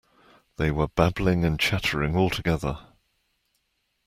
They were babbling and chattering all together.